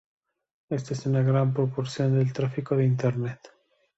Esta es una gran proporción del tráfico de internet.